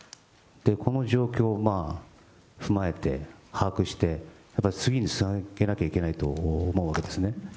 この状況を踏まえて、把握して、やっぱり次につなげなきゃいけないと思うわけですね。